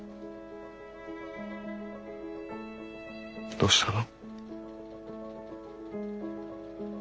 どうしたの？